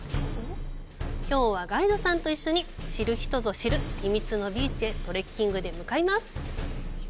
きょうはガイドさんと一緒に知る人ぞ知る秘密のビーチへトレッキングで向かいます！